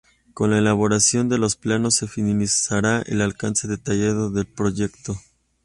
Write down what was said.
Con la elaboración de los Planos se finalizará el alcance detallado del proyecto.